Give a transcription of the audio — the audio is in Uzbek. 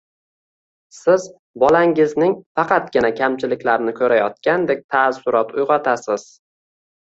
Siz bolangizning faqatgina kamchiliklarini ko‘rayotgandek taassurot uyg‘otasiz.